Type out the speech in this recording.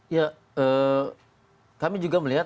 ya kami juga melihat